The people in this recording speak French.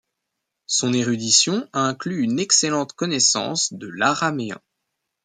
Son érudition inclut une excellente connaissance de l'araméen.